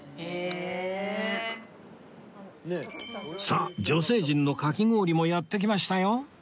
さあ女性陣のかき氷もやって来ましたよ！